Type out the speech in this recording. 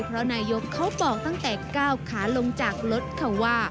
เพราะนายกเขาบอกตั้งแต่ก้าวขาลงจากรถค่ะว่า